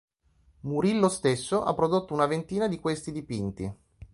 Murillo stesso ha prodotto una ventina di questi dipinti.